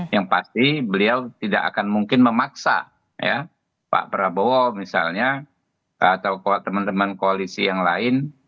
yang pasti beliau tidak akan mungkin memaksa pak prabowo misalnya atau teman teman koalisi yang lain